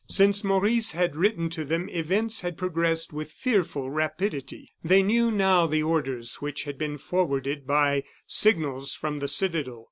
Since Maurice had written to them, events had progressed with fearful rapidity. They knew now the orders which had been forwarded by signals from the citadel.